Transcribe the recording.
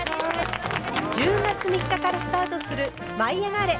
１０月３日からスタートする「舞いあがれ！」。